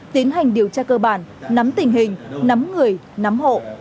tiến hành điều tra cơ bản nắm tình hình nắm người nắm hộ